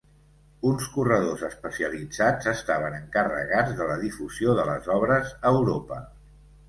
Uns corredors especialitzats estaven encarregats de la difusió de les obres a Europa.